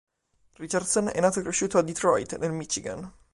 Richardson è nato e cresciuto a Detroit, nel Michigan.